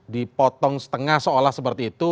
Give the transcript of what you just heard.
dipotong setengah seolah seperti itu